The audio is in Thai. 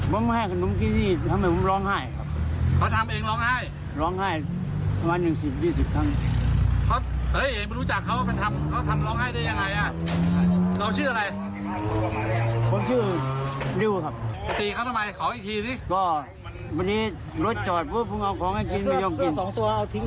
ดิวครับปฏิเขาทำไมของอีกทีดิก็วันนี้รถจอดพวกมึงเอาของให้กินไม่ยอมกิน